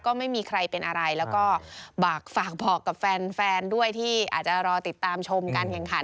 ก็ไม่มีใครเป็นอะไรแล้วก็ฝากบอกกับแฟนด้วยที่อาจจะรอติดตามชมการแข่งขัน